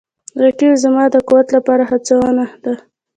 رقیب زما د قوت لپاره هڅونه ده